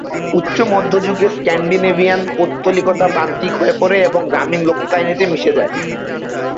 উচ্চ মধ্য যুগে, স্ক্যান্ডিনেভিয়ান পৌত্তলিকতা প্রান্তিক হয়ে পড়ে এবং গ্রামীণ লোককাহিনীতে মিশে যায়।